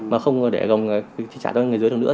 mà không để trả cho người dưới nữa